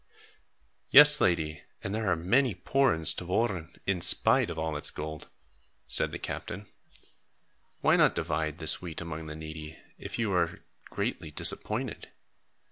"Yes, lady, and there are many poor in Stavoren, in spite of all its gold," said the captain. "Why not divide this wheat among the needy, if you are greatly disappointed?